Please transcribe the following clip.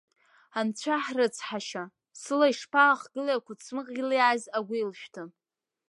Анцәа ҳрыцҳашьа, сыла ишԥаахгылеи ақәыцмыӷ илиааз агәилшәҭы!